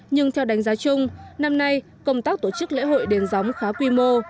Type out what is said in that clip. nhưng theo đánh giá chung năm nay công tác tổ chức lễ hội đền gióng khá quy mô